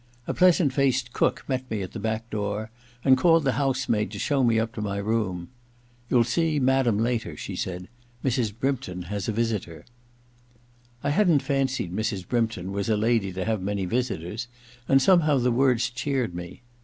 A pleasant faced cook met me at the back door and called the house maid to show me up to my room. ' You'll see madam later/ she said. * Mrs. Brympton has a visitor.' I hadn't fancied Mrs. Brympton was a lady to have many visitors, and somehow the words cheered me.